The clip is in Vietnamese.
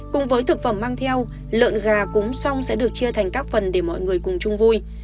cùng với thực phẩm mang theo lợn gà cúng xong sẽ được chia thành các phần để mọi người cùng chung vui